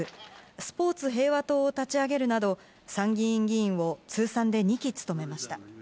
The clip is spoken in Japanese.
スポーツ平和党を立ち上げるなど、参議院議員を通算で２期務めました。